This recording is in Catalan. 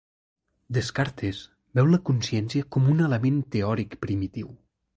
Descartes veu la consciència com un element teòric primitiu.